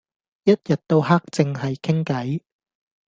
一日到黑淨係傾計